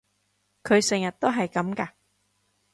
佢成日都係噉㗎？